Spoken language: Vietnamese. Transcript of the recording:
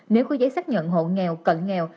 nếu có giấy xác nhận hộ nghèo cận nghèo